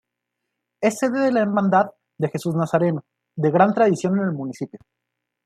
Es sede de la Hermandad de Jesús Nazareno, de gran tradición en el municipio.